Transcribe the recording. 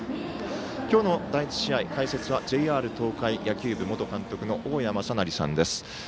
今日の第１試合解説はＪＲ東海野球部元監督の大矢正成さんです。